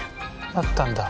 あったんだ。